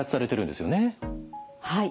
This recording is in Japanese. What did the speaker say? はい。